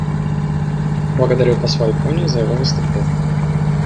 Благодарю посла Японии за его выступление.